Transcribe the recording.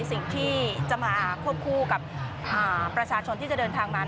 สิ่งที่จะมาควบคู่กับประชาชนที่จะเดินทางมา